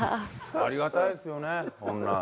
ありがたいですよねこんな。